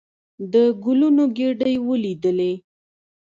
د ګلونو ګېدۍ ولېدلې.